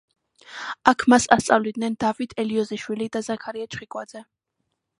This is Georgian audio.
აქ მას ასწავლიდნენ დავით ელიოზიშვილი და ზაქარია ჩხიკვაძე.